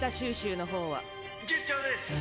順調です！